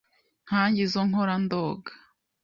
Nkanjye izo nkora ndoga.